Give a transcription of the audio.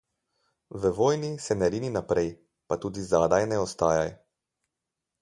V vojni se ne rini naprej, pa tudi zadaj ne ostajaj.